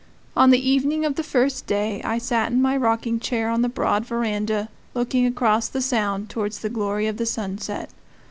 On the evening of the first day I sat in my rocking chair on the broad veranda, looking across the Sound towards the glory of the sunset.